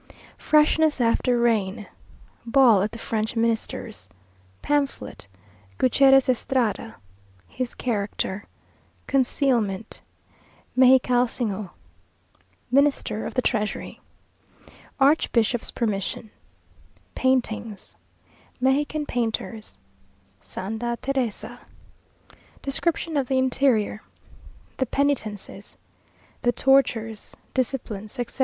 Freshness after Rain Ball at the French Minister's Pamphlet Gutierrez Estrada His Character Concealment Mexicalsingo Minister of the Treasury Archbishop's Permission Paintings Mexican Painters Santa Teresa Description of the Interior The Penitences Tortures Disciplines, etc.